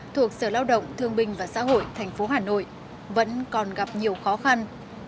thuộc sở lao động thương binh và xã hội thành phố hà nội vẫn còn gặp nhiều khó khăn